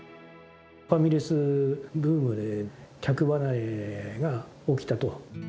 ファミレスブームで、客離れが起きたと。